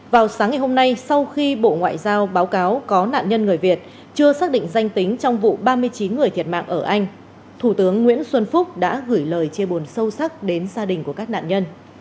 vào sáng ngày hôm nay sau khi bộ ngoại giao báo cáo có nạn nhân người việt chưa xác định danh tính trong vụ ba mươi chín người thiệt mạng ở anh thủ tướng nguyễn xuân phúc đã gửi lời chia buồn sâu sắc đến gia đình của các nạn nhân